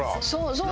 そう。